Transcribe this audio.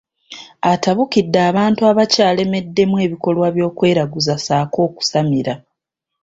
Atabukidde abantu abakyaleddemu ebikolwa eby’okweraguza ssaako okusamira.